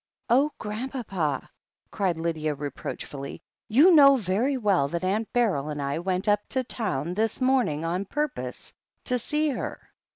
"Oh, Grandpapa!" cried Lydia reproachfully, "you know very well that Aunt Beryl and I went up to town this morning on purpose to see her.